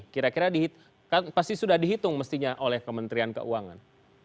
kira kira pasti sudah dihitung mestinya oleh kementerian keuangan